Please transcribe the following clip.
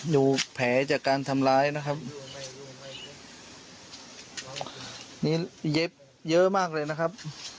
ดูแผลจากการทำร้ายนะครับนี่เย็บเยอะมากเลยนะครับ